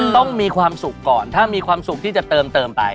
ต้องมีความสุขก่อนถ้ามีความสุขที่จะเติมไป